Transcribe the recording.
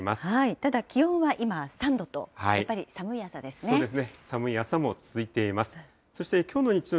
ただ気温は今３度と、やっぱり寒い朝ですね。